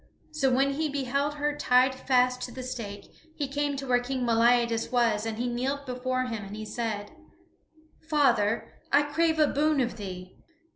So when he beheld her tied fast to the stake he came to where King Meliadus was and he kneeled before him, and he said, "Father, I crave a boon of thee."